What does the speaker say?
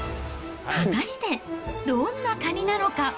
果たしてどんなカニなのか。